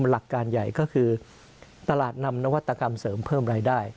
หลักการใหญ่ก็คือตลาดนำนวัตกรรมเสริมเพิ่มรายได้